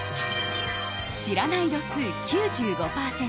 知らない度数９５％